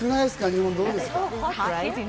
日本はどうですか？